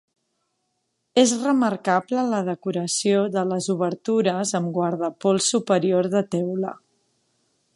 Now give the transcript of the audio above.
És remarcable la decoració de les obertures amb guardapols superior de teula.